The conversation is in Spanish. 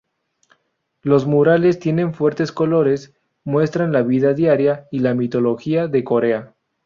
Los murales tienen fuertes colores, muestran la vida diaria y la mitología de Corea.